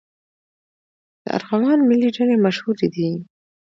د ارغوان میلې ډېرې مشهورې دي.